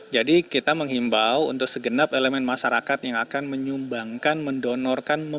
jadi kita menghimbau untuk segenap elemen masyarakat yang akan menyumbangkan mendonorkan membantu